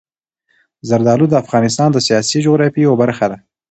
زردالو د افغانستان د سیاسي جغرافیې یوه برخه ده.